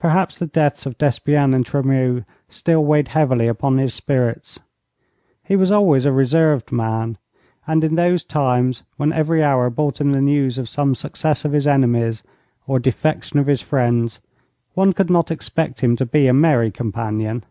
Perhaps the deaths of Despienne and Tremeau still weighed heavily upon his spirits. He was always a reserved man, and in those times, when every hour brought him the news of some success of his enemies or defection of his friends, one could not expect him to be a merry companion.